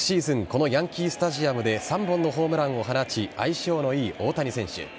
このヤンキースタジアムで３本のホームランを放ち相性のいい大谷選手。